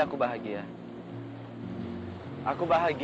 aku ingin bertaubat